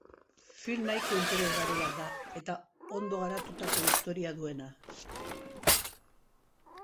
Film nahiko interesgarri bat da, eta ondo garatutako istorioa duena.